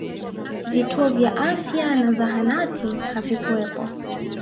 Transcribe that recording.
vituo vya afya na zahanati havikuwepo